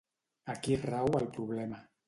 Aquí rau el problema.